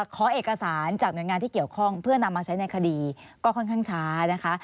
ขอเอกสารจากหน่วยงานที่เกี่ยวข้องเพื่อนำมาใช้ในคดีก็ค่อนข้างช้านะคะ